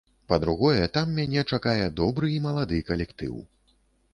Па-другое, там мяне чакае добры і малады калектыў.